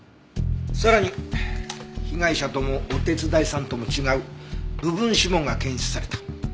さらに被害者ともお手伝いさんとも違う部分指紋が検出された。